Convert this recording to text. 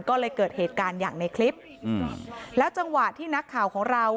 ก็เลยเกิดเหตุการณ์อย่างในคลิปอืมแล้วจังหวะที่นักข่าวของเรา